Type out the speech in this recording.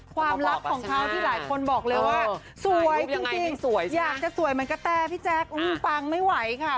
ความลับของเขาที่หลายคนบอกเลยว่าสวยจริงจริงอยากจะสวยมันก็แต่พี่แจ๊คอืมฟังไม่ไหวค่ะ